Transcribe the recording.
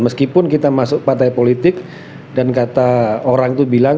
meskipun kita masuk partai politik dan kata orang itu bilang